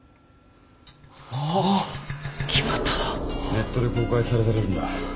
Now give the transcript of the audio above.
ネットで公開されてるんだ。